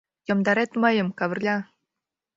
— Йомдарет мыйым, Кавырля!